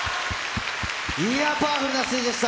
いやー、パワフルなステージでした。